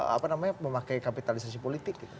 apa namanya memakai kapitalisasi politik gitu